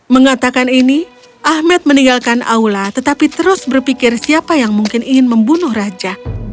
mengatakan ini ahmed meninggalkan aula tetapi terus berpikir siapa yang mungkin ingin membunuh raja